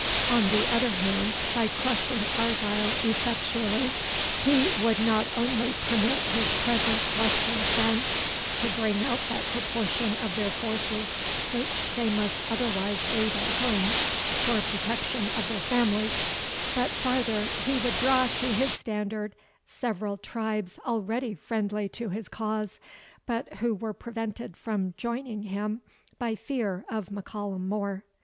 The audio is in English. On the other hand, by crushing Argyle effectually, he would not only permit his present western friends to bring out that proportion of their forces which they must otherwise leave at home for protection of their families; but farther, he would draw to his standard several tribes already friendly to his cause, but who were prevented from joining him by fear of M'Callum More.